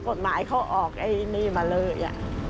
กฎหมายเขาออกอีกนิมาเลย